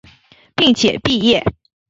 并且毕业。